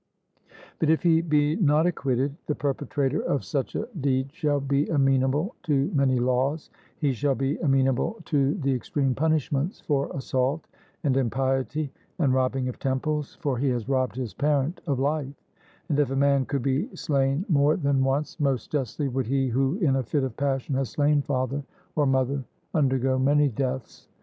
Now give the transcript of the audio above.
But if he be not acquitted, the perpetrator of such a deed shall be amenable to many laws he shall be amenable to the extreme punishments for assault, and impiety, and robbing of temples, for he has robbed his parent of life; and if a man could be slain more than once, most justly would he who in a fit of passion has slain father or mother, undergo many deaths.